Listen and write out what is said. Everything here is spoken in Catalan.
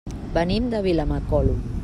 Venim de Vilamacolum.